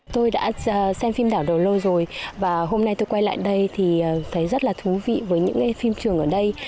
tôi đã xem phim đảo đồ lâu rồi và hôm nay tôi quay lại đây thì thấy rất là thú vị với những phim trường ở đây